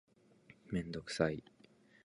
めんどくさい